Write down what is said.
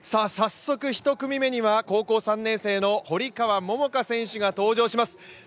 早速１組目には、高校３年生の堀川桃香選手が登場します。